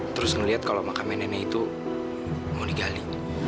terus ngeliat kalau makamnya nenek itu mau digali